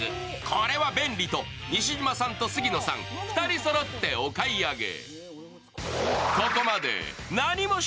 これは便利と西島さんと杉野さん、２人そろってお買い上げ。